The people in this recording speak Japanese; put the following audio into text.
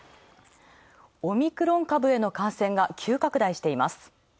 オミクロン株への感染が急拡大しています。